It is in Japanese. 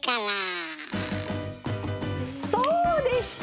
そうでした！